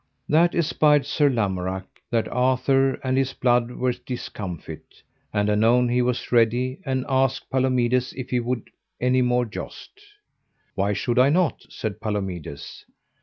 That espied Sir Lamorak, that Arthur and his blood were discomfit; and anon he was ready, and asked Palomides if he would any more joust. Why should I not? said Palomides.